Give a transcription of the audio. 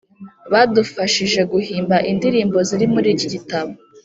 badufashije guhimba indirimbo ziri muri iki gitabo